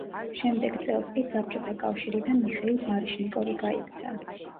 შემდეგ წელს კი საბჭოთა კავშირიდან მიხეილ ბარიშნიკოვი გაიქცა.